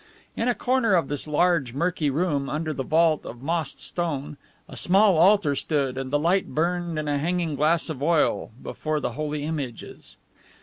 In a corner of this large, murky room, under the vault of mossed stone, a small altar stood and the light burned in a hanging glass of oil before the holy images.